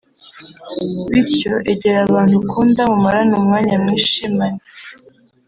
bityo egera abantu ukunda mumarane umwanya mwishimane